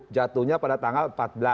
jatuhnya pada tanggal empat belas